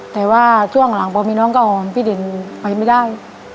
แต่ว่าช่วงหลังพอมีน้องก็อ่อนพี่เด่นไปไม่ได้